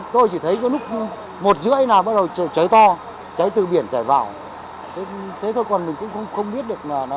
tôi chỉ thấy lúc một giữa ấy nào bắt đầu cháy to cháy từ biển chảy vào thế thôi còn mình cũng không biết được nguyên nhân